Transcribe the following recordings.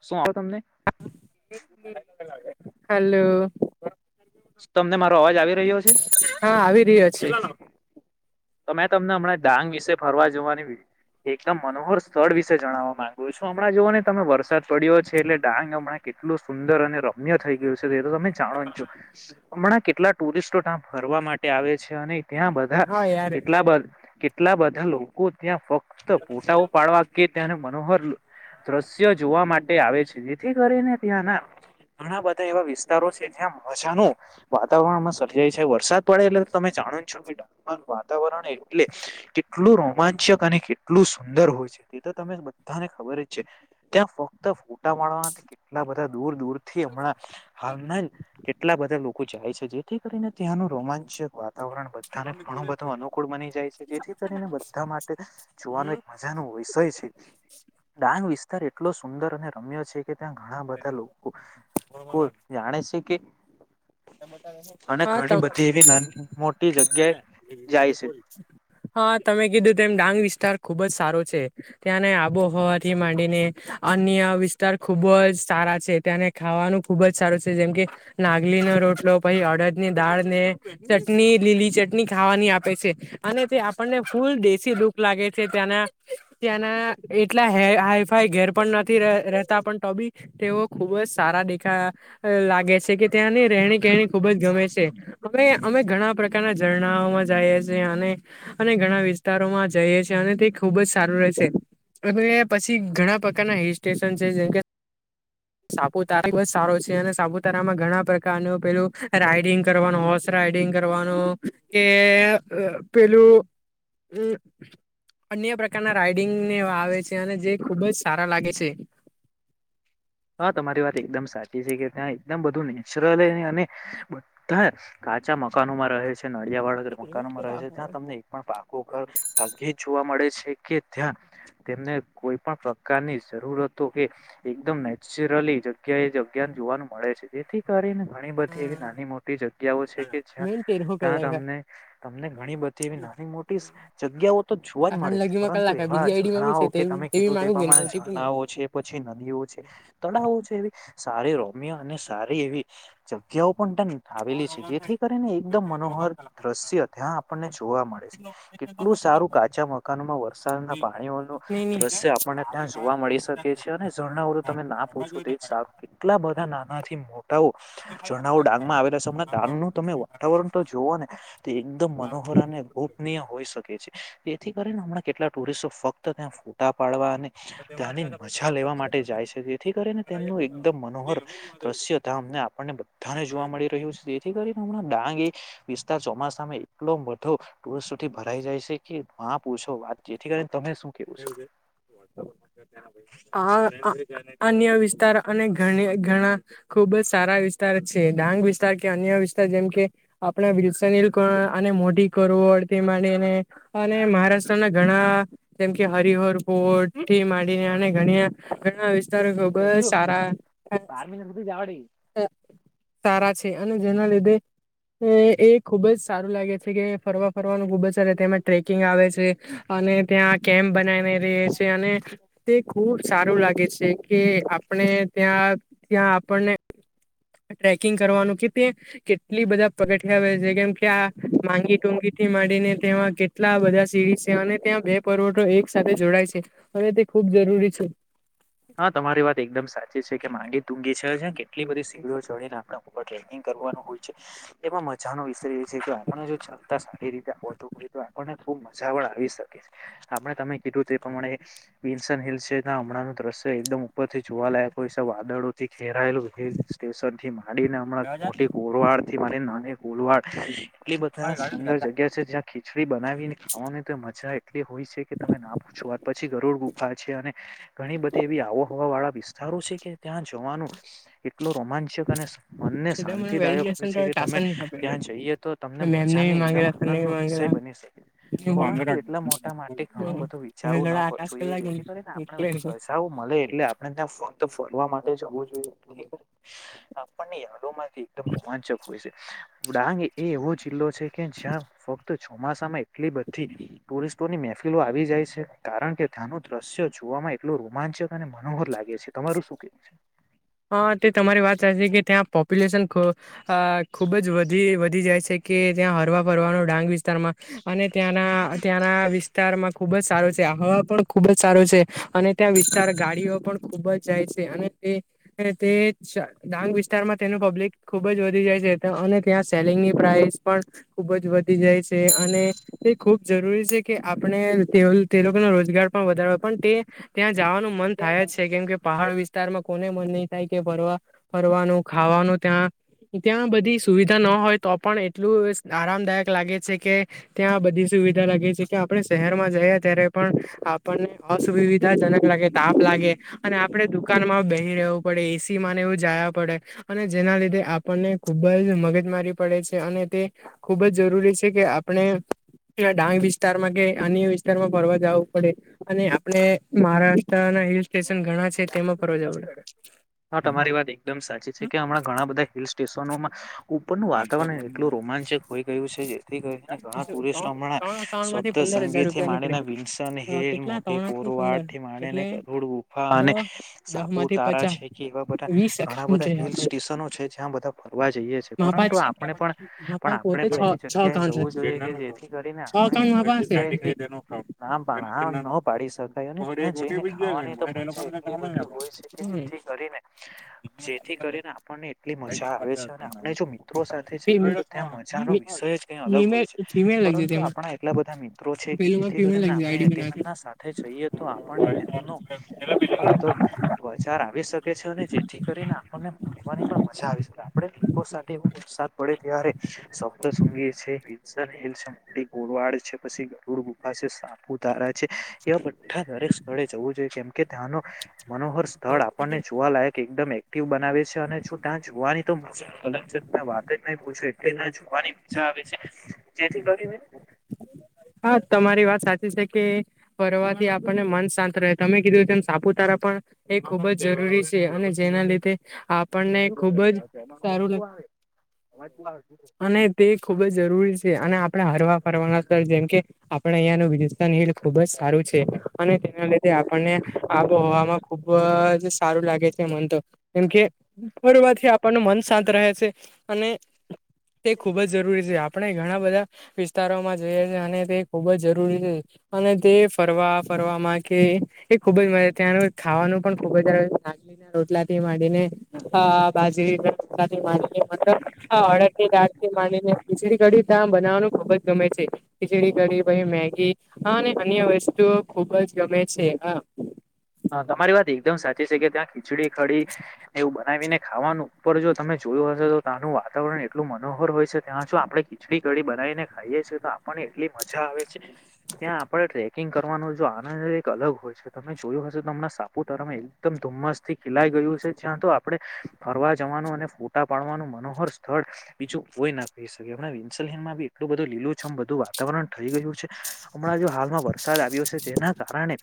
શું [unintelligible] તમને હલો. તમને મારો અવાજ આવી રહ્યો છે. કેટલા લાવ તો મેં તમને હમણાં ડાંગ વિશે ફરવા જવાની એકદમ મનોહર સ્થળ વિશે જણાવવા માંગુ છું હમણાં જુઓ ને તમે વરસાદ પડ્યો છે એટલે ડાંગ હમણાં એટલું સુંદર અને રમ્ય થઇ ગયું છે. તમે જાણો છો હમણાં કેટલા ટુરીસ્ટો ત્યાં ફરવા માટે આવે છે અને ત્યાં બધા હા યાર કેટલા બધ કેટલા બધા લોકો ત્યાં ફકત તો મોટા ઉપાડવા કે ત્યાંને મનોહર દ્રશ્ય જોવા માટે આવે છે જેથી કરી ને ત્યાં ના ઘણા બધા એવા વિસ્તારો છે જ્યાં મજાનું વાતાવરણમાં સર્જાય છે વરસાદ પડે એટલે તમે જાનો છો [unintelligible] વાત વાતાવરણ એટલે કેટલું રોમાંચક અને કેટલું સુંદર હોય છે તે તો તમે બધાને ખબર ત્યાં ફક્ત ફોટા પાડવાના કેટલા બધા દૂર દૂર થી હમણાં હાલના કેટલા બધા લોકો જાય છે જેથી કરીને ત્યાંનું રોમાંચક વા વાતાવરણ બધાને ધણું અનુકૂળ બની જાય છે જેથી કરીને બધા માટે જોવાનો એક મજાનો વિષય છે. ડાંગ વિસ્તાર એટલો સુંદર અને રમ્ય છે. કે ત્યાં ઘણા બધા લોકો ખૂબ જાણે છે કે અને હા. ઘણી બધી એવી નાની મોટી જગ્યાએ જાય છે હા તમે કીધું તેમ ડાંગ વિસ્તાર. ખુબ જ સારો છે ત્યાંને આબોહવાથી માંડીને અન્ય વિસ્તાર ખુબ જ સા રા છે ત્યાનું ખાવાનું ખુબ જ સારું છે જેમ કે નાગલી રોટલો પછી અડદ ની દાળ ને ચટણી, લીલી ચટણી ખાવાની આપે છે અને તે આપ અને ફૂલ દેશી લુક લાગે છે ત્યાંના ત્યાંના એટલા હ હાઈ ફાઈ ઘેર પણ ન રહેતા પણ તો બી તેઓ ખુબ જ સારા દેખા લાગે છે કે ત્યાંની રહેણી ખુબ જ ગમે છે આપણે અમે ઘણા પ્રકારના ઝરણાં જાય છે અને અને ઘણા વિસ્તારોમાં જઈએ છે અને તે ખુબ જ સારું રહેશે એ પછી ઘણા પ્રકારના હિલ સ્ટેશન છે જેમ કે સાપુતારા બહુ જ સારો છે અને સાપુતારામાં ઘણા પ્રકાર નો પેલું રાઈડિંગ કરવાનું હોર્સ રાઈડિંગ કરવાનું કે પેલું હમ અન્ય પ્રકારના રાઈડિંગને એવા આવે છે અને જે ખુબ જ સારા લાગે છે. [inaudible] હા તમારી વાત એકદમ સાચી છે કે ત્યાં એકદમ બધું હે નેચરલ અને બધા કાચા મકાનોમાં રહે છે, નડિયાવાળા મકાનોમાં રહે છે, ત્યાં તમને એક પણ પાકો ઘર ભાગ્યે જ જોવા મળે છે કે ત્યાં તેમને કોઈ પણ પ્રકારની જરૂરતો કે એકદમ નેચરલી જગ્યાએ જગ્યાને જોવાનું મળે છે જેથી કરીને ઘણી બધી એવી નાની મોટી જગ્યાઓ છે કે જ્યાં મેન તેર હો ત્યાં કલાક તમને તમને ઘણી બધી એવી નાની મોટી જગ્યાઓ તો જોવા જ આખાન મળે છે લગીમાં પરંતુ કલાક એવા બીજી આઈડીમાં બી છે ઝરણાઓ કે તમે તેવી કીધું તે માગું કે પ્રમાણે ઓટીપી ઝરણાઓ છે, પછી નદીઓ છે. તળાવો છે, એવી સારી રોમય અને સારી એવી જગ્યાઓ પણ ટન આવેલી છે, જેથી કરીને એકદમ મનોહર દ્રશ્ય ત્યાં આપણને જોવા મળે છે. કેટલું સારું કાચા મકાનોમાં વરસાદના પાણીઓનું દ્રશ્ય આપણને ત્યાં જોવા મળી શકે છે અને ઝરણાઓ તમે ના પૂછો તે જ સારું કેટલા બધા નાનાથી મોટા ઝરણાઓ ડાંગમાં આવેલા છે અમના ડાંગ નું તમે વાતાવરણતો જોઓને તો એકદમ મનોહર અને ને ગોપનીય હોઈ શકે છે જેથી કરીને હમણાં કેટલા ટુરિસ્ટો ફ ક્ત ત્યાં ફોટા પાડવા અને ત્યાંની મજા લેવા માટે જાય છે તે થી કરીને તેમનું એકદમ મનોહર દ્રશ્ય ત્યાં અમને આપણને બધાને જોવા મળી રહ્યું છે જેથી કરીને હમણાં ડાંગ એ વધતા ચોમાસામાં એટલો બધો ટૂરિસ્ટોથી ભરાઈ જાય છે કે મા પૂછો વાત જેથી કરી [unintelligible] આ અ અન્ય વિસ્તાર અને ઘણી ઘણા ખુબ જ સારા વિસ્તાર છે ડાંગ વિસ્તાર કે અન્ય વિસ્તાર જેમ કે આપણા વિન્સન હિલ [unintelligible] મોટી કરોડ તેમાંનેને અને મહારાષ્ટ્ર સ્ટ્ર ના ઘણા જેમ કે હરિહર કોડ થી માંડીને ઘણી ઘણા વિસ્તાર છો ગજુ બાર મિનિટ સુધી જ આવડે [unintelligible] સારા છે એ અને જેના લીધે એ એ ખુબ જ સારું લાગે છે કે ફરવા ફરવાનું ખુબ જ સાર તેમાં ટ્રેકિંગ આવે છે અને ત્યાં કેમ્પ બનાવે રેહ છે અને તે ખુબ સારું લાગે છે કે આપણે ત્યાં ત્યાં આપણને ટ્રેકિંગ કરવાનું કે તે કેટલી બધા પગથિયાં આવે છે કેમ કે આ માંગી ટુંગી થી માંડીને તેમાં કેટલા બધા સિરીઝ છે અને ત્યાં બે [unintelligible] પરવઠો એક સાથે જોડાય છે હવે તે ખૂબ જરૂરી છે. હા તમારી વાત એકદમ સાચી છે કે માંગી તુંગી છે જ્યાં કેટલી બધી સીડીઓ ચડીને આપણા ઉપર ટ્રેકિંગ કરવાનું હોય છે એમાં મજાનો વિષય એ છે કે આપણને જો ચડતા સારી રીતે આવડતું હોય તો આપણને ખૂબ બ મજા પણ આવી શકે છે આપણે તમે કીધું તે પ્રમાણે વિન્સન હિલ છે ત્યાં હમણાંનું દ્રશ્ય એકદમ ઉપરથી જોવાલાયક હોય છે વાદળોથી ઘેરાયેલું હિલ સ્ટેશનથી માંડીને હમણાં મોટી કોલવાડથી માડીને નાની કોલવાડ એટલી બધા સુંદર જગ્યા છે જ્યાં ખીચડી બનાવીને ખાવાની તો મજા એટલી હોય છે કે તમે ના પૂછો વાત પછી ગરોડ ગુફા છે અને ઘણી બધી એવી આબોહવા વાળા વિસ્તારો છે કે ત્યાં જવાનું એટલો રોમાંચક અને મનને છેલ્લે મને શાંતિદાયક હોય વેલિડેશન છે કે તમે ટાસન નહીં આપેલું ત્યાં જઈએ તો તમને મેમને મજા ને બી એકદમ માંગેલા સરને આનંદનો બી માંગેલા વિષય બની શકે પરંતુ વાંદરા એટલા મોટા માટે ઘણું બધું તમે વિચારવું ન લડા પછું આટાસ જોઈએ કલાક જેથી કરીને આપણે એટલે પૈસાઓ મળે એટલે આપણે ત્યાં ફ તો ફરવા માટે જવું જોઈએ [unintelligible] આપણની યાદો માંથી એકદમ રોમાંચક હોય છે ડાંગ એ એવો જિલ્લો છે કે જ્યાં ફક્ત ચોમાસામાં એટલી બધી ટૂરિ સ્ટોની મહેફિલો આવી જાય છે કારણ કે ત્યાંનું દ્રશ્ય જોવામાં એ એટલું રોમાંચક અને મનોહર લાગે છે તમારું શું કેવું છે હા તે તમારી વાત સાચી કે ત્યાં પોપ્યુલેશન ખ અ ખૂબ જ વધી વધી જાય છે કે ત્યાં હરવા ફરવાનો ડાંગ વિસ્તારમાં અને ત્યાંના ત્યાંના વિસ્તારમાં ખુબ જ સારું છે હવા પણ ખુબ જ સારું છે અને ત્યાં વિસ્તાર ગાડીઓ પણ ખુબ જ જાય છે અને તે અને તે ડાંગ વિસ્તારમાં તેનું પબ્લિક ખુબ જ વધી જાય છે. અને ત્યાં સેલિંગની પ્રાઇસ. ખુબ જ વધી જાય છે અને એ ખુબ જરૂરી છે કે આપણે તે રોજગાર પણ વધાર પણ તે ત્યાં જવાનું મન થાય જ છે કેમ કે પહાડ વિસ્તારમાં કોને મન નહીં. કે ફરવા ફરવાનું ખાવાનું ત્યાં ત્યાં બધી. સુવિધા ન હોય તો પણ એટલું. આરામદાયક લાગે છે કે ત્યાં બધી સુવિધા લાગે છે કે આપણે શહેરમાં જઈએ ત્યારે પણ. આપણને અસુવિધાજનક લાગે તાપ લાગે અને આપડે દુકાન માં બેહી રહવ. પડે એસી ને એવું જાયા પડે અને જેના લીધે આપણને ખુબ જ મગજ મારી પડે છે. અને તે ખૂબ જ જરૂરી છે કે આપણે. ડાંગ વિસ્તારમાં કે અન્ય વિસ્તારમાં ફરવા જવું પડે અને આપણે મહારાષ્ટ્ર ના. હિલ સ્ટેશન ઘણા છે તેમાં પરવાજા હા! તમારી વાત એકદમ સાચી છે કે હમણાં ઘણા બધા હિલ સ્ટેશનોમાં. ઉપરનુંું વાતાવરણ એટલું રોમાંચક હોઈ ગયું છે જેથી કરીને ઘણા ટુરિસ્ટ હમણાં. ત્રણ એકાઉન્ટ માંથી પંદર હજાર રૂપિયા નીકળે સંગેથીને વિલ્સન હિલ કેટલા મોટી ત્રણથી કોરવા પંદર થીને એટલે કરુ ગુફા દહ અને. દહ માંથી સાપુતારા પચાસ છે કે એવા બધા વીસ ઘણા એકાઉન્ટ બધા જોઈએ હિલ આપને સ્ટેશનો છે જ્યાં બધા જોવા જઈએ છે માપા પરંતુ આપણે પણ માપા પણ આપણે પોતે છ પણ એવી છ જગ્યાએ એકાઉન્ટ છે જવું જોઈએ કે જેથી કરીને છ આપ. એકાઉન્ટ માપા હશે ના આ ન પાડી શકાય અને ત્યાં જઈને ખાવાની તો મજા. એટ બધી હોય છે કે જેથી કરીને જેથી કરીને આપણને એટલી મજા આવે છે. આપણે જો મિત્રો સાથે જઈએ તો ત્યાં મજાનો વિષય જ ક અલગ હોય ફિમેલ છે ફિમેલ લખજે પરંતુ તેમાં આપણા એટલા. મિત્રો છે પેલુંમાં ફિમેલ જેથીને લખજે આઈડી બનાવ આપણે સાથે જઈએ તો આપણને તેમનો. ઘ બધો બજાર આવી શકે છે. જેથી કરીને આપણને મળવાની પણ મજા આવી આપડે લોકો સાથે એ વરસાદ પડે ત્યારે. શદય ગોવાડ છે. પછી ગરડ ગુફા છે. સાપુ તારા. એ બા દરેક સ્થળે જવું જોઈએ. જેમ કે ધ્યાનો. મનોહર સ્થળ આપણને જોવાલાયક એકદમ એક. બનાવે છે અનેું ત્યાં જોવાની તો અલગ છે ત વાત જ પૂું એટલે ત જોવાની વિ. જેથી કરીને. હા! તમારી વાત સાચી છે કે ફરવાથી આપણને મન શાંત રહે તમે કીધું તેમમ સાપુતારા. પણ એ ખુબ જ જરૂરી છે અને જેના લીધે. આપણને ખુબ જ સારું અવાજો લાગત. આવે અવાજો આવે અને તે ખુબ જ જરૂરી છે અને આપ હરવા ફરવાના સ્થ જેમ કે આપણે અહિયાયાનું વિજસ્થાન હિલ ખુબ જ સારું છે અને તેના લીધે આપણને આબોહવામાં ખુબ જ સારું લાગે છે મને તો કેમ કે ફોરવાથી આપણનું મન શાંત રહે છે અને તે ખુબ જ જરૂરી છે આપણે ઘણા બધા વિસ્તારોમાં જોઈએ છેએ અને તે ખુબ જ જરૂરી. અને તે ફરવા ફરવામાં કે એ ખુબ જ મજા ત્યાંનું ખાવાનું પણ ખબ. નાલીને રોટલાથી માડીને. હા! બાજરી મા મત હ ઓડ. એ રાતકી માનીને ખીચડી કડી ત્યા બનાવવાનું ખબ જ ગમે છે ખીચડી કડી ભ મેગી. હા! અને અન્ય વસ્તુઓ ખુબ જ ગમે છે હા હ તમારી વાત એકદમ સાચી છે. કે ત્યાં ખીચડી ખડી એવું બનાવીને ખાવાનું. ઉપર જો તમે જોયું હશે તો ત્યાંનું વાતાવરણ એટલું મનોહર હોય છે. ત્યાં જો આપણે ખીચડી કડી બનાવીને ખાઈએ છીએ. તો આપણ એટલી મજા આવે છે ત્યાં આપણે ટ્રેકિંગ કરવાનો જો આનંદ એક અલગ હોય છે તમે જોયું હશેમ સાપુતાર એકદમ ધુમ્મસ થી ખિલાઈ ગયું હશે જ્યાં તો આપડે ફરવા જવાનું. ોટા પાડવા મનોહર સ્થળ બીજું કો ના કહીટલું બધું લીલું. વાતાવરણ થઈ ગયું છે હમણાં જે હાલમાં વરસાદ આવ્યો છે તેના કારણે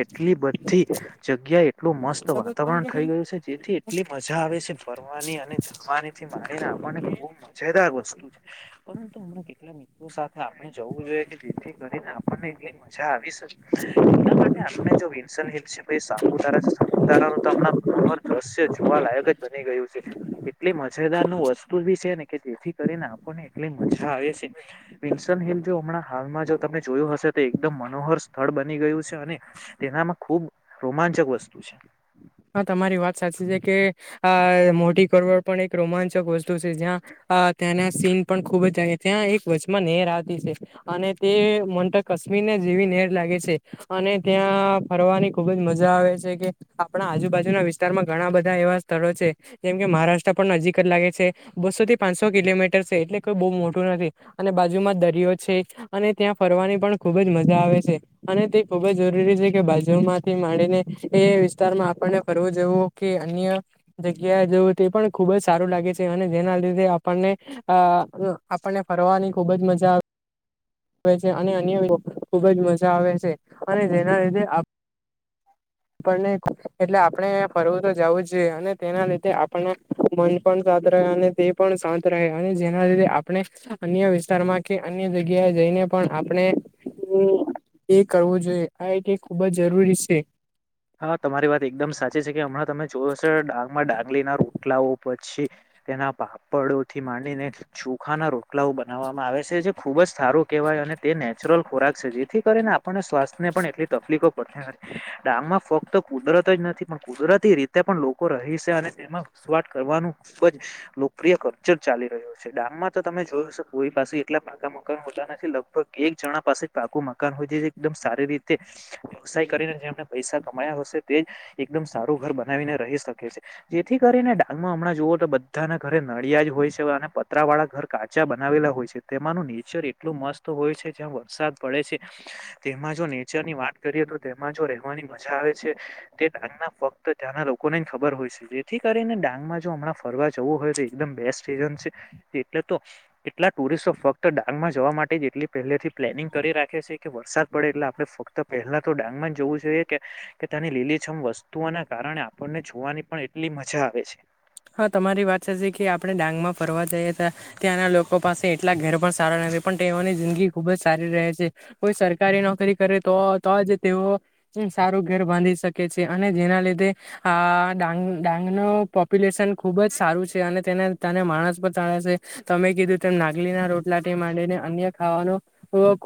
એટલી બધી જગ્યા એટલું મસ્ત વાતાવરણ થઈ ગયું છે જેથી એટલી મજા આવે છે. ફરવાની અને જમવાની થી મારીને આપણને ખુબ મજેદાર. પરુ હમણા કેટલા મિત્રો સાથે આપણે જવું જોઈએ કે જેથી કરીને આપણને. [unintelligible] આપને જો વિન્સન હિ છે સાપુતારા છે સાપુતારા નું તો હમણાં મનોહર દ્રશ્ય જોવા લાયક જ બને ગયું એટલે મજેદાર નું વસ્તુ બી [inaudible] એટલે જ ઓછા આવે શે [unintelligible] [inaudible] હશે તે એકદમ મનોહર સ્થળ બની ગયું છે તેનામાં ખુબ રોમાંચક વસ્તુ છે હા તમારી વાત સાચી કે અ મોટી કરવડ પણ એક રોમાંચક વસ્તુ છે જ્યાં [unintelligible] ખુબ જ ત્યાં એક વચમાં નેર આવતી છે અને તે મન કશ્મીરને જેવી નેર છે અને ત્યાં ફરવાની ખુબ જ મજા આવે છે કે પણ આજુબાજુના વિસ્તારમાં ઘણા બધા એવા સ્થળો છે જેમ કે મહારાષ્ટ્ર પણ નજીક જ લાગે છે બસો થી પાંચસો કિલોમીટર છે એટલે કોઈ બહુ મોટું નથી અને બાજુમાં દરિયો છે અને ત્યાં ફરવાની પણ ખુબ જ મજા આવે છે અને તે ખુબ જ જરૂરી છે કે બાજુ માંથી માંડીને એ વિસ્તારમાં આપણને ફરવું જવું કે અન્ય જગ્યા જવું તે પણ ખુબ જ સારું લાગે છે અને જેના આપણને અ આપણને ફરવાની ખુબ જ મજા આવે છે અને અન્ય ખુબ જ મજા આવે છે અને જેના લીધે પણ નહી એટલે આપણે ફરવું તો જવું જ જોઈએ અને તેના લીધે આપને મન પણ અને તે પણ શાંત રહે અને જેના લીધે આપણે અન્ય વિસ્તારમાં કે અન્ય જગ્યાએ જઈને પણ આપણે એ કરવું જોઈએ આ એક ખૂબ હા તમારી વાત એકદમ સાચી છે કે હમણાં તમે જો હશે ડાંગમાં ડા આ ના રોટલાઓ પછી તેના પાપડોથી માંડીને ચોખા ના રોટલાઓ બનાવવા આવે છે જે ખૂબ જ સારું કહેવાય અને તે નેચરલ ખોરાક છે જેથી કરીને આપણને સ્વાસ્થ્યને પણ એટલી ત [inaudible] ફક્ત કુદરત જ નથી પણ કુદરતી રીતે પણ લોકો રહી છે અને તેમાં ઘસવાટ કરવાનું ખુબ જ લોકપ્રિય કલ્ચર ચાલી રહ્યો છે ડામમાં તો તમે જોય હશેો કોઈ પાસે એટલા પાગ મકાન હોતા નથી લગ ગ એક જણા પાસે પાકું મકાન હોય જે એકદમ સારી રીતે વ્યવસાય કરીને જેમને પૈસા હતે એકદમ સારું ઘર બનાવીને રહી શકે છે જેથી કરીને ડાંગમાં હમણાં જુઓ તોા બધાના ઘરે નળિયા જ હોય છે અને પતરા વાળા ઘર કાચા બનાવેલા હોય છે તેમાંનું નેચર એટલું મસ્ત હોય છે જ્યાં વરસાદ પડે છે તેમાં જો નેચર ની વાત કરીએ તો તેમાં જો રહેવાની આવે છે તેડાંગ ના ફક્ત ત્યાંના લોકોને ખબર હોય છે જેથી કરીને ડાંગમાં જો હમણાં ફરવા જવું હોય તો એકદમ બેસ્ટ સીઝન છે એટલે તો એટલા ટુરિસ્ટો ફક્ત ડાંગ માં જવા માટે જ એટલી પહેલે થી પ્લેનિંગ કરી રાખે છે કે વરસાદ પડે એટલે આપણે ફક્ત પહેલા તો ડાંગમાં જવું જોઈએ. કે તેની લીલીછમ વસ્તુઓના કારણે આપણને જોવાની પણ એટલી મજા આવે છે. હા તમારી વાત સાચી કે આપણે ડાંગ માં ફરવા જઈએ તા ત્યાંના લોકો પાસે એટલા ઘેર પણ સારા પણ તેઓની જિંદગી ખુબ જ સારી રહે સે કોઈ સરકારી નોકરી કરે તો તો જ તેઓ સારું ધેર બાંધી શકે છે અને જેના લીધે આ ડાંગ ડાંગનો પો પ્યુલેશન ખુબ જ સારું છે અને તેને તાના માણસ પણ તાળા સે તમે કીધું તેમ નાગલીના રોટલાટી માંડીને અન્ય ખાવાનું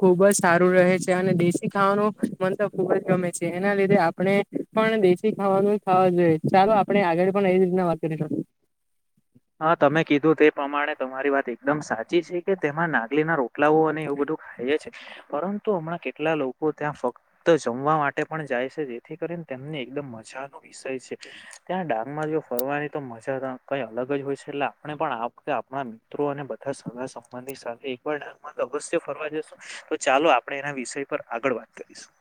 ખુબ જ સારું રહે છે અને દેશી ખાવાનું મન તો ખુબ ગમે છે એના લીધે આપણે પણ દેશી ખાવાનું ખાવા જોઈએ ચાલો આપણે આગળ પણ એ રીતના વાત [inaudible] હા તમે કીધું તે પ્રમાણે તમારી વાત એકદમ સાચી છે કે તેમાં નાગલી ના રોટલાઓ અને એવું બધું પરંતુ હમણાં કેટલા લોકો ત્યાં ફક્ત જમવા માટે પણ જાય છે જેથી કરી તેમની એકદમ મજાનો વિષય છે ત્યાં ડાંગ માં જો ફરવાની તો મજા કઈ અલગ હોય છે એટલે આપણે પણ આપડા આપણા મિત્રો અને બધા સગા સંબંધી સાથે એકવાર ડાંગ માં તો અવશ્ય ફરવા જસુ તો ચાલો આપણે એના વિષય પર આગળ વાત કરીશું.